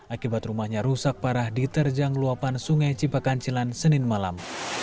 akibat rumahnya rusak parah diterjang luapan sungai cipakancilan senin malam